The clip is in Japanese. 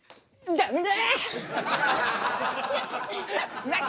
ダメだ。